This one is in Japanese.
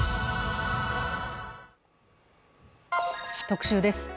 特集です。